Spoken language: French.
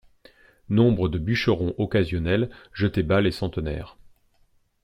Nombre de bûcherons occasionnels jetaient bas les centenaires.